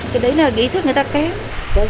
cái đấy là ý thức người ta kém